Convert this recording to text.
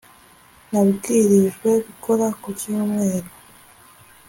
Nabwirijwe gukora ku cyumweru Ann